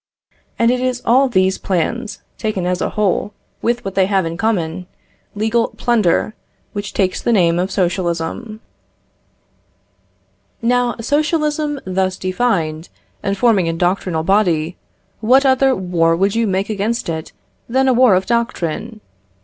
And it is all these plans, taken as a whole, with what they have in common, legal, plunder, which takes the name of socialism. Now socialism, thus defined, and forming a doctrinal body, what other war would you make against it than a war of doctrine?